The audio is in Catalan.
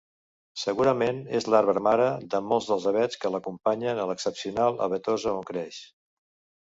Segurament és l'arbre mare de molts dels avets que l'acompanyen a l'excepcional avetosa on creix.